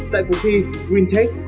tại cuộc thi green tech